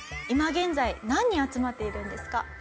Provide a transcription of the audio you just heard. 今現在何人集まっているんですか？